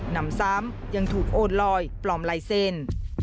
นำซ้ำยังถูกโอนลอยปลอมลายเซ็นต์